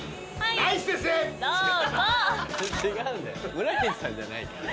村西さんじゃないから。